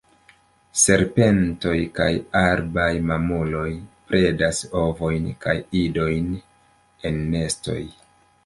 Serpentoj kaj arbaj mamuloj predas ovojn kaj idojn en nestoj.